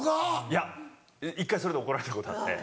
いや一回それで怒られたことあって。